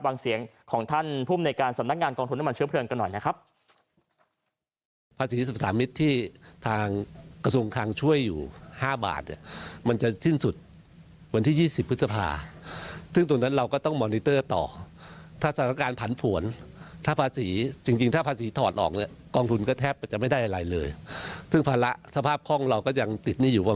ฟังเสียงของท่านภูมิในการสำนักงานกองทุนน้ำมันเชื้อเพลิงกันหน่อยนะครับ